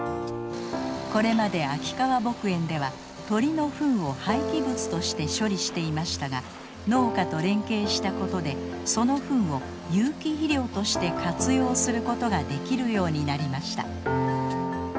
これまで秋川牧園では鶏のフンを廃棄物として処理していましたが農家と連携したことでそのフンを有機肥料として活用することができるようになりました。